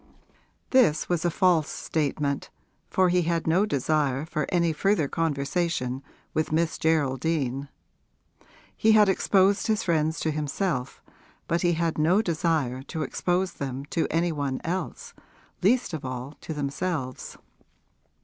This was a false statement, for he had no desire for any further conversation with Miss Geraldine. He had exposed his friends to himself, but he had no desire to expose them to any one else, least of all to themselves.